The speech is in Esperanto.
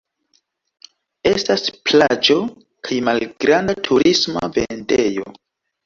Estas plaĝo kaj malgranda turisma vendejo.